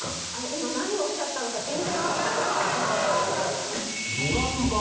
今何をおっしゃったのか全然わかんない。